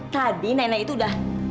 tadi nenek itu udah